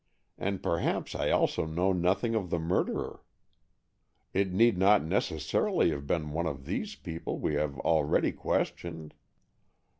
And perhaps I also know nothing of the murderer. It need not necessarily have been one of these people we have already questioned."